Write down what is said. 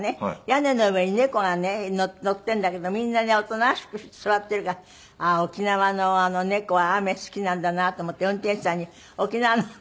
屋根の上に猫がね乗っているんだけどみんなねおとなしく座っているから沖縄の猫は雨好きなんだなと思って運転手さんに「沖縄の猫は雨好きなんですか？」